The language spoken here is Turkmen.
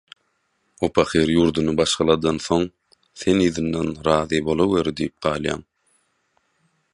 O pahyr ýurduny başgaladan soň, sen yzyndan «Razy bolaweri» diýip galýaň.